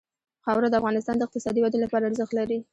خاوره د افغانستان د اقتصادي ودې لپاره ارزښت لري.